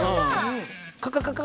カカカカ